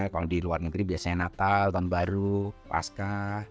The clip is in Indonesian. kalau di luar negeri biasanya natal tahun baru pasca